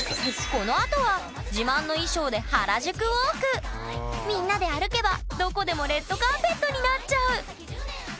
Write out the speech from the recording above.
このあとは自慢の衣装でみんなで歩けばどこでもレッドカーペットになっちゃう！